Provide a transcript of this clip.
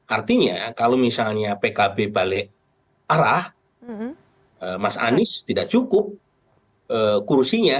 artinya kalau misalnya pkb balik arah mas anies tidak cukup kursinya